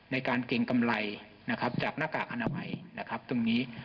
ในการเก่งกำไรจากหน้ากากอนามัย